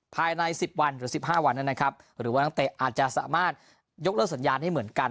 ภายใน๑๐วันหรือ๑๕วันนั้นนะครับหรือว่านักเตะอาจจะสามารถยกเลิกสัญญาณให้เหมือนกัน